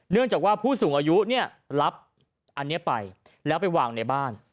เนื่องจากว่าผู้สูงอายุเนี่ยรับอันนี้ไปแล้วไปวางในบ้าน